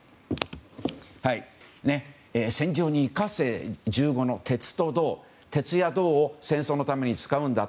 「戦場に活かえ銃後の鉄と銅」鉄や銅を戦争のために使うんだと。